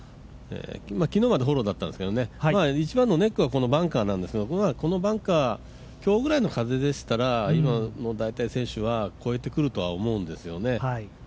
昨日までフォローだったんですけどね、一番のネックはバンカーなんですが、このバンカー今日ぐらいの風でしたら、今の選手は越えてくるとは思うんですよね。